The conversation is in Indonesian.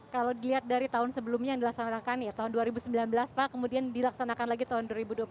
kalau dilihat dari tahun sebelumnya yang dilaksanakan ya tahun dua ribu sembilan belas pak kemudian dilaksanakan lagi tahun dua ribu dua puluh